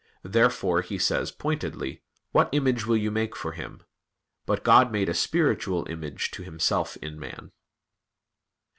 Therefore he says pointedly: "What image will you make for Him?" But God made a spiritual image to Himself in man.